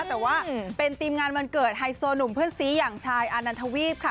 แต่ว่าเป็นทีมงานวันเกิดไฮโซหนุ่มเพื่อนซีอย่างชายอานันทวีปค่ะ